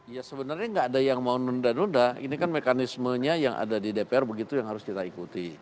ya sebenarnya nggak ada yang mau nunda nunda ini kan mekanismenya yang ada di dpr begitu yang harus kita ikuti